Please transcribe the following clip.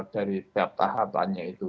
dari setiap tahapannya itu